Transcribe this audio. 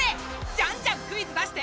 じゃんじゃんクイズ出して！